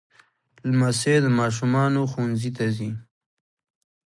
لمسی د ماشومانو ښوونځي ته ځي.